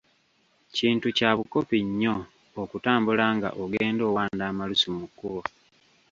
Kintu kya bukopi nnyo okutambula nga ogenda owanda amalusu mu kkubo.